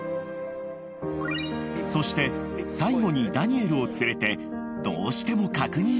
［そして最後にダニエルを連れてどうしても確認したいことが］